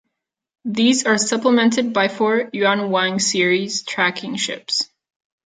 These are supplemented by four "Yuanwang"-series tracking ships.